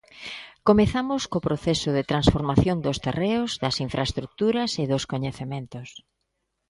Comezamos co proceso de transformación dos terreos, das infraestruturas e dos coñecementos.